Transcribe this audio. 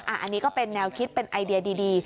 อันนี้ก็เป็นแนวคิดเป็นไอเดียดี